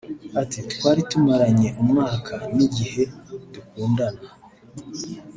Ati “Twari tumaranye umwaka n’igihe dukundana